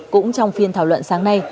cũng trong phiên thảo luận sáng nay